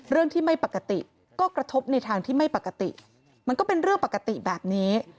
เรื่องที่ไม่ปกติก็กระทบในทางที่ไม่ปกติมันก็เป็นเรื่องปกติแบบนี้